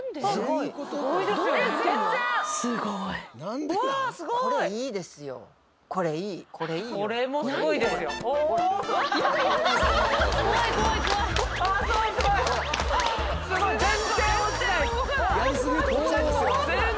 すごーい！